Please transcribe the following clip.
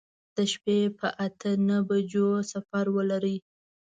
د شپې په اته نهو بجو سفر ولرئ.